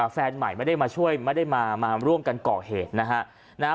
แฟนใหม่ไม่ได้มาช่วยไม่ได้มาร่วมกันก่อเหตุนะฮะ